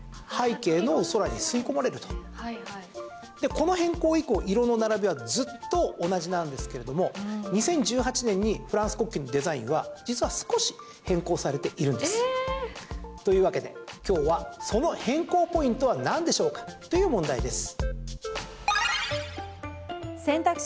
この変更以降、色の並びはずっと同じなんですけれども２０１８年にフランス国旗のデザインはえー！というわけで、今日はその変更ポイントはなんでしょうかという問題です。